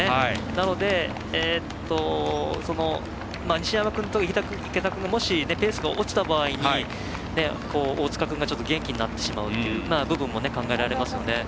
なので西山君と池田君がもしペースが落ちた場合に大塚君が元気になってしまうという部分も考えられますよね。